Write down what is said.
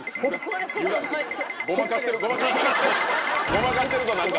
ごまかしてるぞ何か。